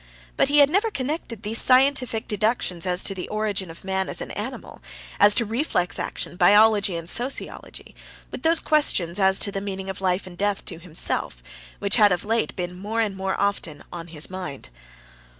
But he had never connected these scientific deductions as to the origin of man as an animal, as to reflex action, biology, and sociology, with those questions as to the meaning of life and death to himself, which had of late been more and more often in his mind.